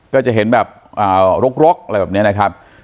ก็จะเห็นแบบล็อกแบบเนี้ยนะครับ